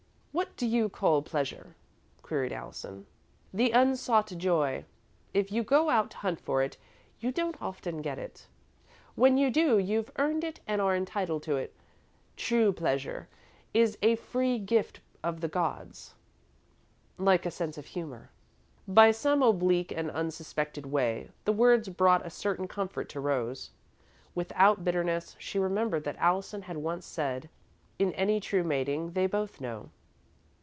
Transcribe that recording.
"What do you call pleasure?" queried Allison. "The unsought joy. If you go out to hunt for it, you don't often get it. When you do, you've earned it and are entitled to it. True pleasure is a free gift of the gods, like a sense of humour." By some oblique and unsuspected way, the words brought a certain comfort to Rose. Without bitterness, she remembered that Allison had once said: "In any true mating, they both know."